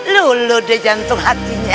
luluh deh jantung hatinya